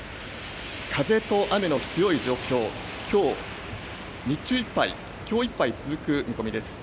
風と雨の強い状況、きょう日中いっぱい、きょういっぱい続く見込みです。